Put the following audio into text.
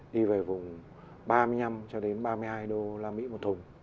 đi về vùng ba mươi năm cho đến ba mươi hai đô la mỹ một thùng